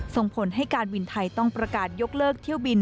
ส่งผลให้การบินไทยต้องประกาศยกเลิกเที่ยวบิน